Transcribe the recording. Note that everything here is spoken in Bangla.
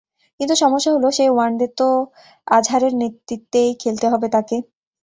কিন্তু সমস্যা হলো, সেই ওয়ানডে তো আজহারের নেতৃত্বেই খেলতে হবে তাঁকে।